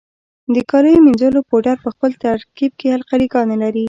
د کالیو منیځلو پوډر په خپل ترکیب کې القلي ګانې لري.